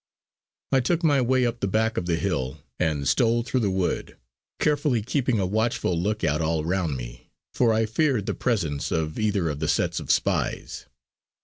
I took my way up the back of the hill and stole through the wood, carefully keeping a watchful look out all round me, for I feared the presence of either of the sets of spies.